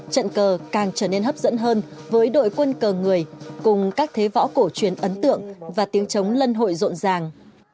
trận cờ càng trở nên hấp dẫn hơn với đội quân cờ người cùng các thế võ cổ truyền ấn tượng và tiếng chống lân hội rộn ràng